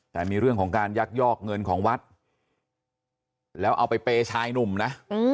แต่มีเรื่องของการยักยอกเงินของวัดแล้วเอาไปเปย์ชายหนุ่มนะ